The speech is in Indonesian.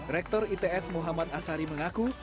rektor its muhammad asari mengaku